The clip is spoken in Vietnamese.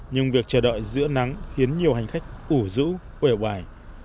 nhưng việc chờ đợi giữa nắng khiến nhiều hành khách ủ rũ quẻo bài